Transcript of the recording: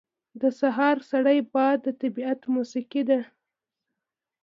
• د سهار سړی باد د طبیعت موسیقي ده.